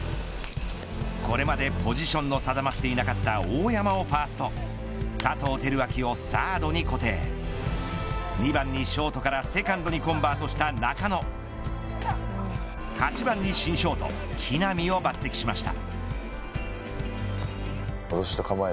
これまでポジションの定まっていなかった大山をファースト佐藤輝明をサードに固定２番にショートからセカンドにコンバートした中野８番に新ショート木浪を抜てきしました。